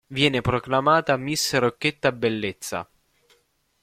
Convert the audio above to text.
Viene proclamata "Miss Rocchetta Bellezza".